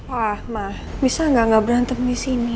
wah mah bisa gak berantem disini